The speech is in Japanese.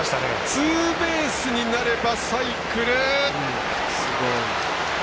ツーベースになればサイクル！